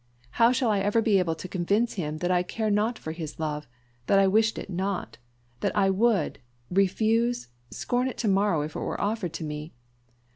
How shall I ever be able to convince him that I care not for his love that I wished it not that I would, refuse, scorn it to morrow were it offered to me.